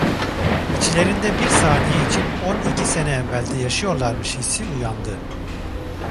İçlerinde bir saniye için on iki sene evvelde yaşıyorlarmış hissi uyandı.